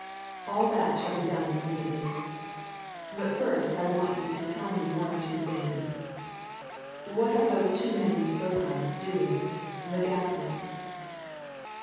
All that shall be done immediately. But first I want you to tell me one or two things. What are those two men you spoke of doing the Gaffneys?"